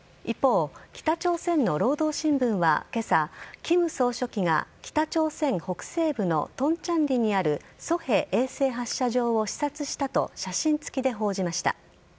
一方、北朝鮮の労働新聞は今朝金総書記が北朝鮮北西部の東倉里にある西海衛星発射場を視察したと写真付きで報じました。